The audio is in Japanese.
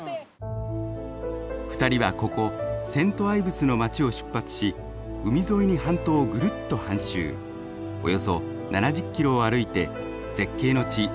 ２人はここセント・アイブスの街を出発し海沿いに半島をぐるっと半周およそ７０キロを歩いて絶景の地